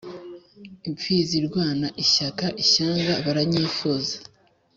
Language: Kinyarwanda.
imfizi irwana ishyaka, ishyanga, baranyifuza,